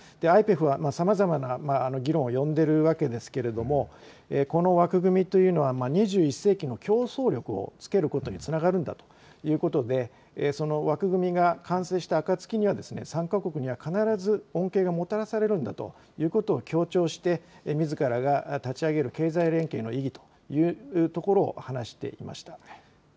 ＩＰＥＦは、さまざまな議論を呼んでいるわけですけども、この枠組みというのは、２１世紀の競争力をつけることにつながるんだということで、その枠組みが完成したあかつきには、参加国には必ず恩恵がもたらされるんだということを強調して、みずからが立ち上げる経済連携の意義というところを話していまし